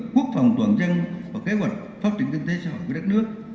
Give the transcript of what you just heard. quốc phòng toàn dân và kế hoạch phát triển kinh tế xã hội của đất nước